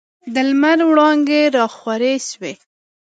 د لمر وړانګي راخورې سوې.